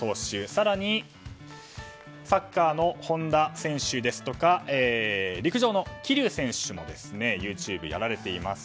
更に、サッカーの本田選手ですとか陸上の桐生選手もＹｏｕＴｕｂｅをやられています。